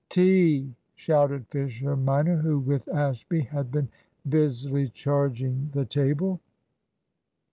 "Tea!" shouted Fisher minor, who with Ashby had been busily charging the table.